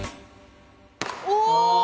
お！